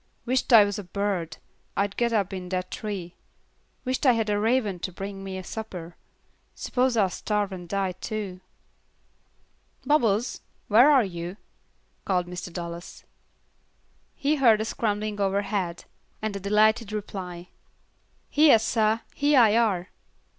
"Wisht I was a bird, I'd get up in that tree. Wisht I had a raven to bring me my supper s'pose I'll starve and die too." "Bubbles, where are you?" called Mr. Dallas. He heard a scrambling overhead, and a delighted reply. "Hyah, sah, hyah I are."